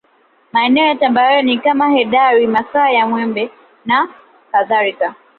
Maeneo ya tambarare ni kama Hedaru Makanya Mwembe na kadhalika